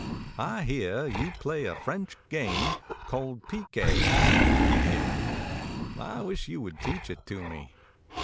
"I hear you play a French game called piquet," he be gan. "I wish you would teach me."